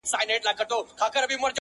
د دولت وزير وو